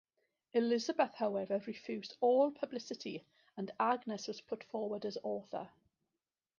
Elizabeth however refused all publicity and Agnes was put forward as author.